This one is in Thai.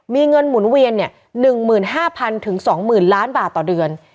มีเงินหมุนเวียนเนี้ยหนึ่งหมื่นห้าพันถึงสองหมื่นล้านบาทต่อเดือน